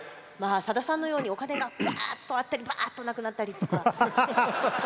さださんのようにお金が、ばーっとあったりばーっとなくなったりとか。